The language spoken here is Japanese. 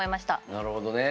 なるほどね。